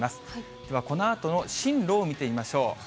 ではこのあとの進路を見てみましょう。